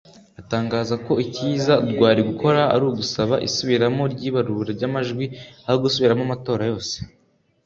atangaza ko icyiza rwari gukora ari ugusaba isubiramo ry’ibarura ry’amajwi aho gusubiramo amatora yose